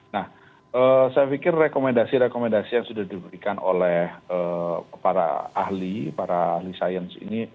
nah saya pikir rekomendasi rekomendasi yang sudah diberikan oleh para ahli para ahli sains ini